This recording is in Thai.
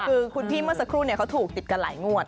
คือคุณพี่เมื่อสักครู่เขาถูกติดกันหลายงวด